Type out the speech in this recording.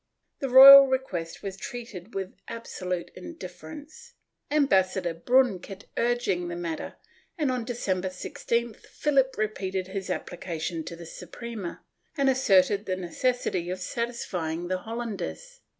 The royal request was treated with absolute indifference; Ambassador Brun kept urging the matter and, on December 16th, PhiHp repeated his application to the Suprema, and asserted the necessity of satisfying the Hollanders.